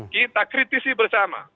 kita kritisi bersama